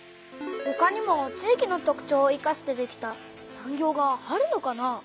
ほかにも地域の特ちょうをいかしてできた産業があるのかな？